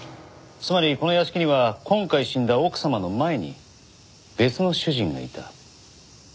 つまりこの屋敷には今回死んだ奥様の前に別の主人がいた。